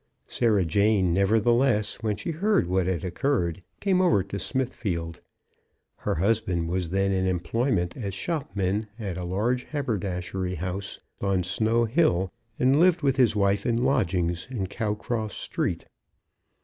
Sarah Jane, nevertheless, when she heard what had occurred, came over to Smithfield. Her husband was then in employment as shopman at the large haberdashery house on Snow Hill, and lived with his wife in lodgings in Cowcross Street.